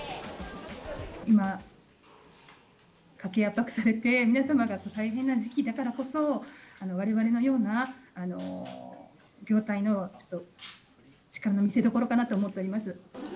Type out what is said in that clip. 今、家計圧迫されて、皆様が大変な時期だからこそ、われわれのような業態の力の見せどころかなと思っています。